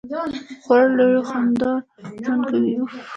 خور له خندا ژوند کوي.